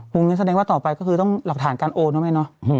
คุณคิดแสดงว่าต่อไปก็ต้องหลักฐานการโอนว่ะแม่